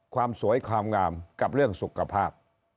ความสวยความงามกับเรื่องสุขภาพ